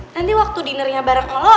nanti waktu dinernya bareng lo